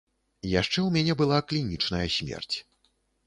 Яшчэ ў мяне была клінічная смерць.